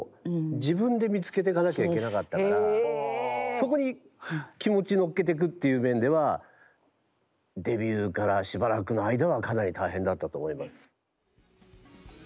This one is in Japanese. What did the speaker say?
そこに気持ちのっけてくっていう面ではデビューからしばらくの間はかなり大変だったと思います。